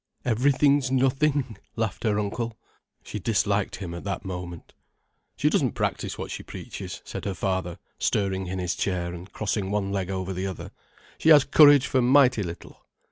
"Everything's nothing," laughed her uncle. She disliked him at that moment. "She doesn't practice what she preaches," said her father, stirring in his chair and crossing one leg over the other. "She has courage for mighty little."